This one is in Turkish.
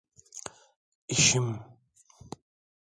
İşim…